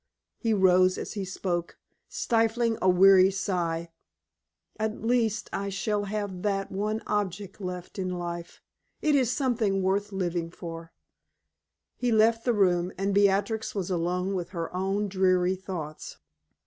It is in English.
he rose as he spoke, stifling a weary sigh "at least I shall have that one object left in life. It is something worth living for." He left the room, and Beatrix was alone with her own dreary thoughts.